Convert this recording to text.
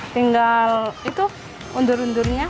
tinggal itu undur undurnya